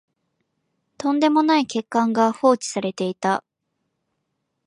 とんでもない欠陥が放置されてた